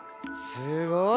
すごい。